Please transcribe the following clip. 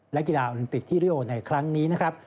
และกีฬาโอลิมปิกที่ริโอในครั้งนี้นะครับ